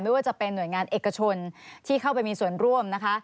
ไม่ว่าจะเป็นหน่วยงานเอกชนที่เข้าไปมีส่วนร่วมนะคะ